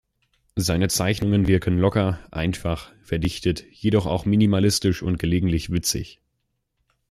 Seine Zeichnungen wirken locker, einfach, verdichtet, jedoch auch minimalistisch und gelegentlich witzig.